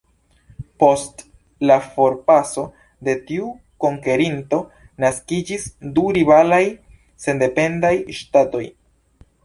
Post la forpaso de tiu konkerinto, naskiĝis du rivalaj sendependaj ŝtatoj.